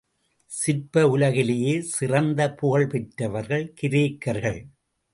சிற்ப உலகிலேயே சிறந்த புகழ்பெற்றவர்கள் கிரேக்கர்கள்.